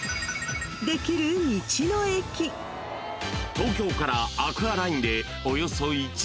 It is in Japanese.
［東京からアクアラインでおよそ１時間］